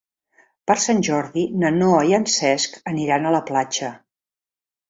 Per Sant Jordi na Noa i en Cesc aniran a la platja.